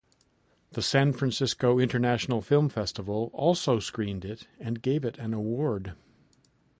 The San Francisco International Film Festival also screened it and gave it an award.